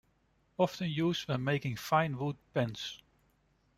Often used when making fine wood pens.